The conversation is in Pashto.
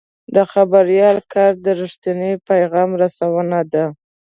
د خبریال کار د رښتیني پیغام رسونه ده.